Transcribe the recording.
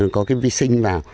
có cái vi sinh vào